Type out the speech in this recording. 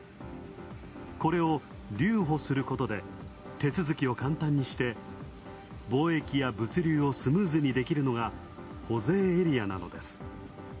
これを留保することで、手続きを簡単にして貿易や物流を簡単にできるのが保税エリアなのです。